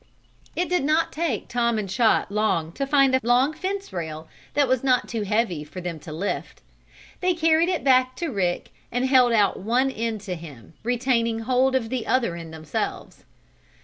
It did not take Tom and Chot long to find a long fence rail that was not too heavy for them to lift. They carried it back to Rick and held out one end to him, retaining hold of the other end themselves.